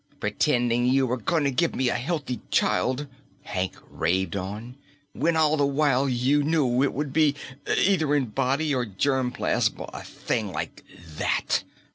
"Pretending you were going to give me a healthy child," Hank raved on, "when all the while you knew it would be either in body or germ plasm a thing like that!"